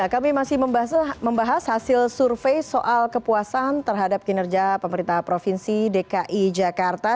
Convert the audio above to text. kami masih membahas hasil survei soal kepuasan terhadap kinerja pemerintah provinsi dki jakarta